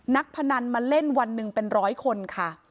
พนันมาเล่นวันหนึ่งเป็นร้อยคนค่ะ